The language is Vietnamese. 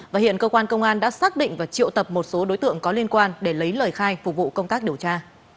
và hiện cơ quan công an đã xác định và triệu tập một số đối tượng có liên quan để lấy lời khai phục vụ công tác điều tra